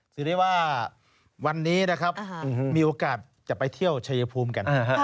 ถือได้ว่าวันนี้นะครับมีโอกาสจะไปเที่ยวชายภูมิกัน